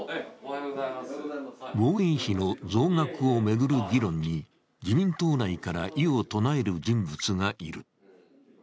防衛費の増額を巡る議論に自民党内から異を唱える人物がいる。